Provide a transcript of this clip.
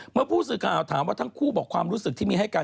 เมื่อผู้สื่อข่าวถามว่าทั้งคู่บอกความรู้สึกที่มีให้กัน